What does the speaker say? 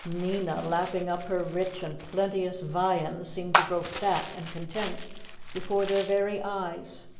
Nina, lapping up her rich and plenteous viands, seemed to grow fat and content before their very eyes.